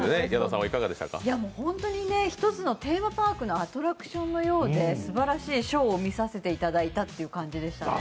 １つのテーマパークのアトラクションのようで、すばらしいショーを見させていただいたという感じでしたね。